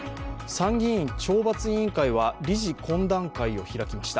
参議院・懲罰委員会は理事懇談会を開きました。